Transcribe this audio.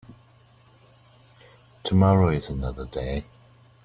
Tomorrow is another day.